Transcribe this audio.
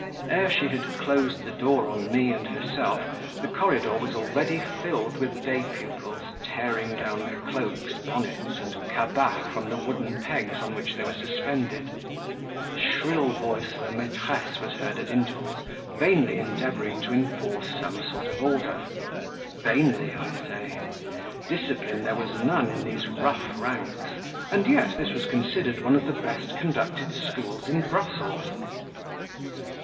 Ere she had closed the door on me and herself, the corridor was already filled with day pupils, tearing down their cloaks, bonnets, and cabas from the wooden pegs on which they were suspended; the shrill voice of a maitresse was heard at intervals vainly endeavouring to enforce some sort of order; vainly, I say: discipline there was none in these rough ranks, and yet this was considered one of the best conducted schools in Brussels.